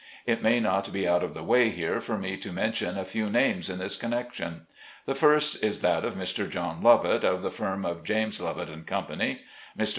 It may not be out of the way here for me to men tion a few names in this connection. The first is that of Mr. John Lovett, of the firm of James Lovett & Company. Mr.